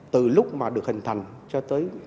từ lúc mà được hình thành cho tới